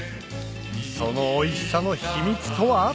そのおいしさの秘密とは？